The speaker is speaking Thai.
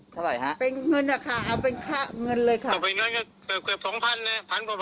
ค่าสับเบลอสามพันห้าทำไมค่าสับเบลอตั้งสามพันห้าเลยครับ